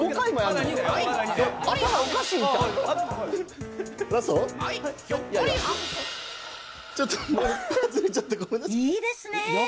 いいですね。